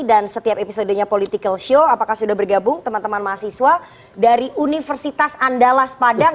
dan setiap episodenya political show apakah sudah bergabung teman teman mahasiswa dari universitas andalas padang